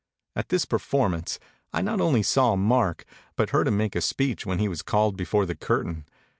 At this performance I not only saw Mark but heard him make a speech when he was called before the curtain.